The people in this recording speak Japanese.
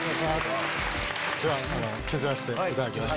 じゃあ削らせていただきます。